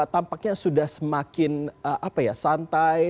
tampaknya sudah semakin santai